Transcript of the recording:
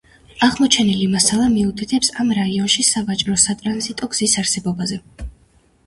აღმოჩენილი მასალა მიუთითებს ამ რაიონში სავაჭრო-სატრანზიტო გზის არსებობაზე.